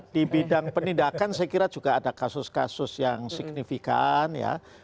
di bidang penindakan saya kira juga ada kasus kasus yang signifikan ya